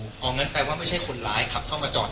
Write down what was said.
เอางั้นแปลว่าไม่ใช่คนร้ายขับเข้ามาจอด